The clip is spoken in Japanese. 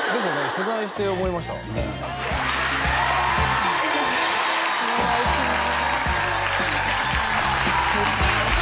取材して思いましたええお願いします